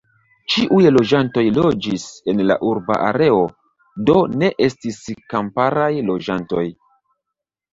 Ĉiuj loĝantoj loĝis en la urba areo, do, ne estis kamparaj loĝantoj.